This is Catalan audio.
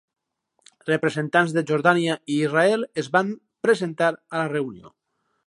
Representants de Jordània i Israel es van presentar a la reunió.